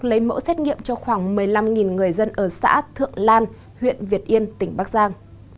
lấy mẫu xét nghiệm cho khoảng một mươi năm người dân ở xã thượng lan huyện việt yên tỉnh bắc giang